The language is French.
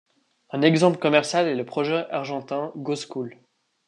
Un exemple commercial est le projet argentin GoSchool.